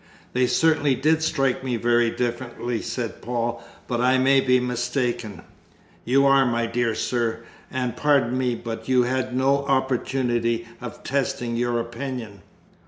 "They certainly did strike me very differently," said Paul. "But I may be mistaken." "You are, my dear sir. And, pardon me, but you had no opportunity of testing your opinion."